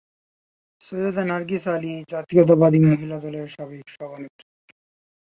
সৈয়দা নার্গিস আলী জাতীয়তাবাদী মহিলা দলের সাবেক সভানেত্রী।